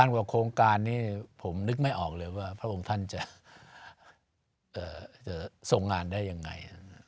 กว่าโครงการนี้ผมนึกไม่ออกเลยว่าพระองค์ท่านจะทรงงานได้ยังไง